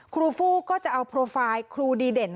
ครูฟู้ก็จะเอาโปรไฟล์ครูดีเด่น